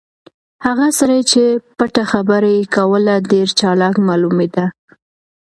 هغه سړی چې پټه خبره یې کوله ډېر چالاک معلومېده.